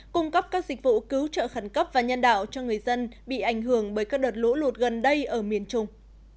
cung cấp các dịch vụ cứu trợ khẩn cấp và nhân đạo cho người dân bị ảnh hưởng bởi các đợt lũ lụt gần đây ở miền trung